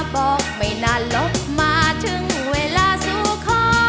บอกไม่นานหลบมาถึงเวลาสู่ข้อ